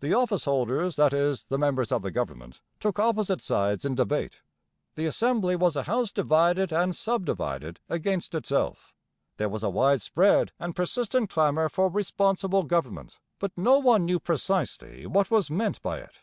The office holders, that is, the members of the government, took opposite sides in debate. The Assembly was a house divided and sub divided against itself. There was a wide spread and persistent clamour for 'responsible government,' but no one knew precisely what was meant by it.